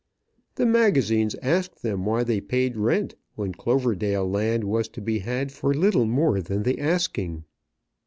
The magazines asked them why they paid rent when Cloverdale land was to be had for little more than the asking.